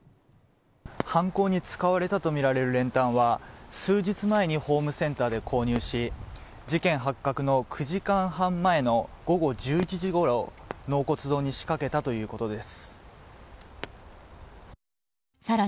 犯行に使われたとみられる練炭は数日前にホームセンターで購入し事件発覚の９時間半前の午後１１時ごろ納骨堂に仕掛けたということです。